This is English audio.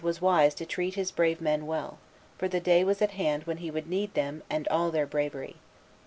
was wise to treat his brave men well; for the day was at hand when he would need them and all their bravery.